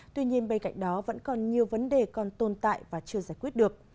tuy nhiên bên cạnh đó vẫn còn nhiều vấn đề còn tồn tại và chưa giải quyết được